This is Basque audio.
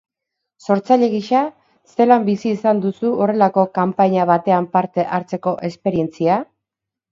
Sortzaile gisa, zelan bizi izan duzu horrelako kanpaina batean parte hartzeko esperientzia?